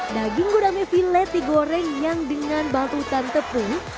daging gurame filet digoreng dengan bantutan tepung